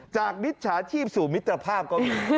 จากวิชาชีพสู่มิตรภาพก็มี